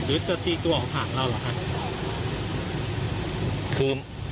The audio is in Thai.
หรือจะตีตัวผ่านเราเหรอค่ะ